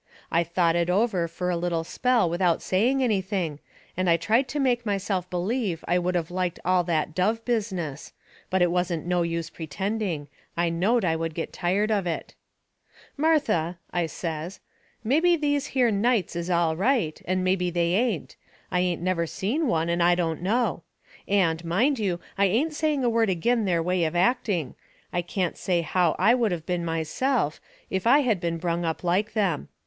I thought it over fur a little spell without saying anything, and I tried to make myself believe I would of liked all that dove business. But it wasn't no use pertending. I knowed I would get tired of it. "Martha," I says, "mebby these here nights is all right, and mebby they ain't. I never seen one, and I don't know. And, mind you, I ain't saying a word agin their way of acting. I can't say how I would of been myself, if I had been brung up like them.